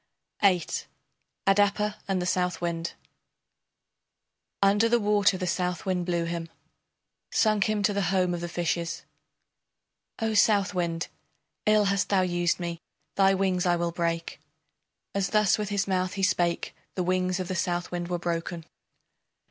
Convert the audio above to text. ] VIII. ADAPA AND THE SOUTHWIND Under the water the Southwind blew him Sunk him to the home of the fishes. O Southwind, ill hast thou used me, thy wings I will break. As thus with his mouth he spake the wings of the Southwind were broken.